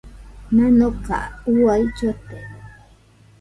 Nanoka uai llote.